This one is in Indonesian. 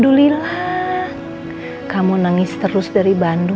klinik peninsula park apartemen